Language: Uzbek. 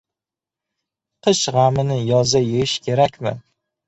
"Qish g‘amini yozda yeyish kerakmi?!"